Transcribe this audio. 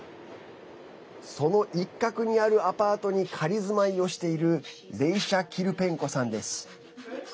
その一角にあるアパートに仮住まいをしているレイシャ・キルペンコさんです。